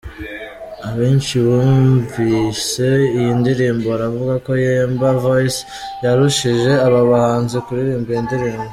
Abenshi bumvise iyi ndirimbo baravuga ko Yemba Voice yarushije aba bahanzi kuririmba iyi ndirimbo.